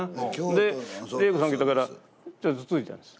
で玲子さん来たからちょっとつついたんです。